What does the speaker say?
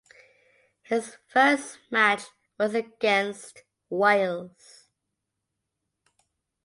His first match was against Wales.